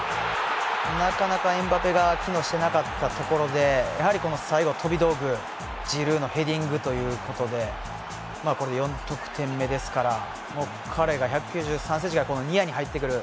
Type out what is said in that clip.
なかなかエムバペが機能していなかったところでやはりこの最後飛び道具ジルーのヘディングということでこれで４得点目ですから彼が１９３ｃｍがニアに入ってくる。